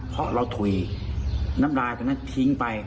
เพราะเราถุยน้ำลายตรงนั้นทิ้งไป